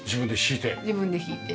自分で敷いて？